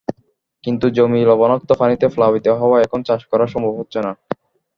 কিন্তু জমি লবণাক্ত পানিতে প্লাবিত হওয়ায় এখন চাষ করা সম্ভব হচ্ছে না।